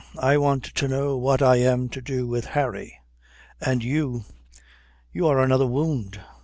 I want to know what I am to do with Harry. And you you are another wound."